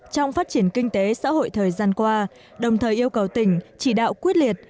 trong phát triển kinh tế xã hội thời gian qua đồng thời yêu cầu tỉnh chỉ đạo quyết liệt